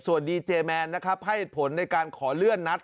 ส่วนดีเจแมนนะครับให้ผลในการขอเลื่อนนัด